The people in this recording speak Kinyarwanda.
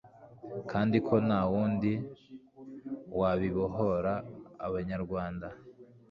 kandi ko nta wundi wabibohora Abanyarwanda